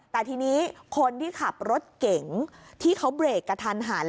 แต่ทีนี้คนที่ขับรถเก๋งที่เขาเบรกกระทันหัน